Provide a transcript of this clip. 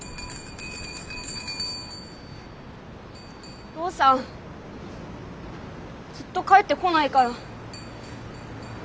お父さんずっと帰ってこないから。